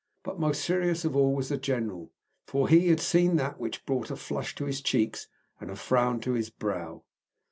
But most serious of all was the general, for he had seen that which brought a flush to his cheeks and a frown to his brow.